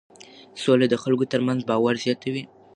سوله د خلکو ترمنځ باور زیاتوي.